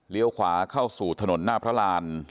ขวาเข้าสู่ถนนหน้าพระราน